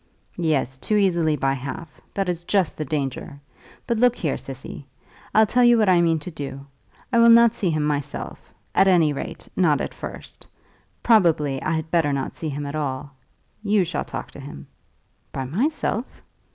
"Yes; too easily by half. That is just the danger. But look here, Cissy. I'll tell you what I mean to do. I will not see him myself; at any rate, not at first. Probably I had better not see him at all. You shall talk to him." "By myself!"